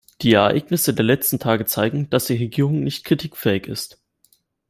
Die Ereignisse der letzten Tage zeigen, dass die Regierung nicht kritikfähig ist.